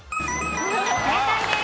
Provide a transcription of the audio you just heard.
正解です。